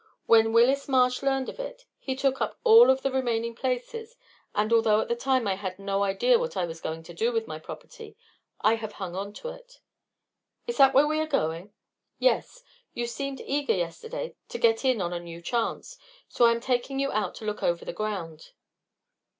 When Willis Marsh learned of it, he took up all of the remaining places, and, although at the time I had no idea what I was going to do with my property, I have hung on to it." "Is that where we are going?" "Yes. You seemed eager yesterday to get in on a new chance, so I am taking you out to look over the ground."